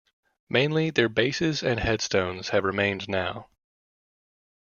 Mainly their bases and headstones have remained now.